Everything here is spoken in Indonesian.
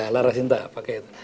lara sinta pakai itu